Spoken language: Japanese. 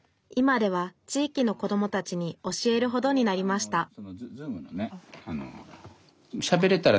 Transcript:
今では地域の子どもたちに教えるほどになりました